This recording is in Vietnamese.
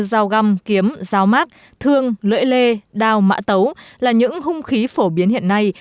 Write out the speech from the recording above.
dao găm kiếm dao mát thương lưỡi lê đào mã tấu là những hung khí phổ biến hiện nay